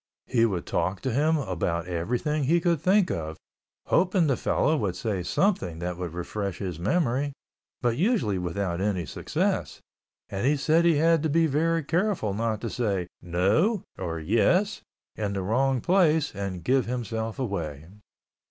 He would talk to him about everything he could think of, hoping the fellow would say something that would refresh his memory but usually without any success, and he said he had to be very careful to not say "No" or "Yes" in the wrong place and give himself away.